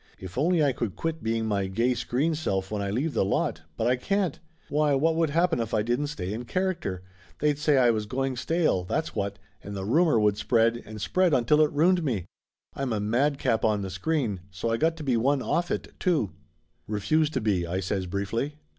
If only I could quit being my gay screen self when I leave the lot, but I can't. Why, what would happen if I didn't stay in character? They'd say I Laughter Limited 153 was going stale, that's what, and the rumor would spread and spread until it ruined me! I'm a madcap on the screen, so I got to be one off it too." "Refuse to be," I says briefly.